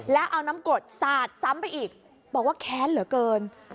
แล้วเอาน้ำกรดสาดซ้ำไปอีกบอกว่าแค้นเหลือเกิน